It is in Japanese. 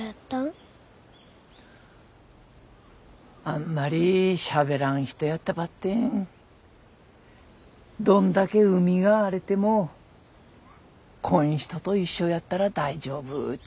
あんまりしゃべらん人やったばってんどんだけ海が荒れてもこん人と一緒やったら大丈夫っ